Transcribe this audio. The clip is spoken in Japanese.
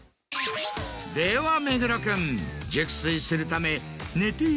では目黒君。